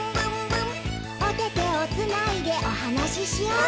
「おててをつないでおはなししよう」